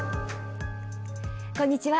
こんにちは。